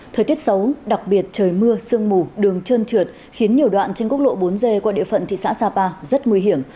thời tiết xấu đặc biệt trời mưa sương mù đường trơn trượt khiến nhiều đoạn trên quốc lộ bốn g qua địa phận thị xã sapa rất nguy hiểm